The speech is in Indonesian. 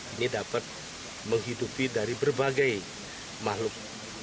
ini dapat menghidupi dari berbagai makhluk